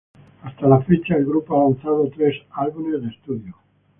Hasta la fecha, el grupo ha lanzado tres álbumes de estudio.